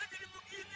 iya sudah takdir lagi